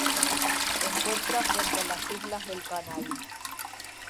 Se encuentra frente a las islas del Canal.